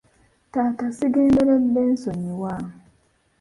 Taata sigenderedde, nsonyiwa.